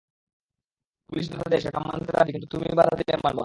পুলিসে বাধা দেয় সেটা মানতে রাজি আছি কিন্তু তুমি বাধা দিলে মানব না।